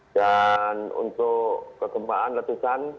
dan untuk kegembaan letusan